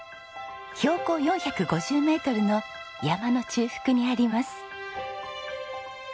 標高４５０メートルの山の中腹にあります。